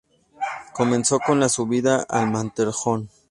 Comenzó con la subida al Matterhorn.